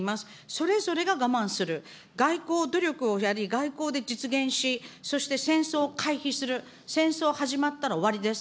それぞれが我慢する、外交努力をやり、外交で実現し、そして戦争を回避する、戦争始まったら終わりです。